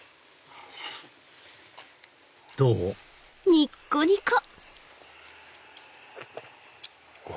どう？